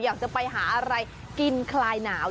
อยากจะไปหาอะไรกินคลายหนาว